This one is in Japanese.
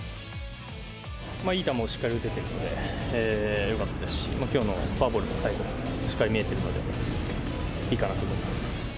いい球をしっかり打てているのでよかったですし、きょうのフォアボール、最後も、しっかり見えてるのでいいかなと思います。